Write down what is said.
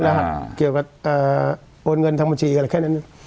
ระหัสเกี่ยวกับโอนเงินทางบัญชีแค่นั้น